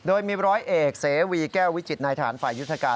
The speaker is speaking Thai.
โดยมีร้อยเอกเสวีแก้ววิจิตนายฐานฝ่ายยุทธการ